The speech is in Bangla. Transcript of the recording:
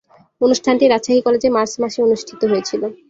অনুষ্ঠানটি রাজশাহী কলেজে মার্চ মাসে অনুষ্ঠিত হয়েছিলো।